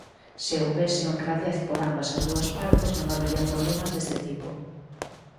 Se houbese honradez por ambas as dúas partes non habería problemas deste tipo.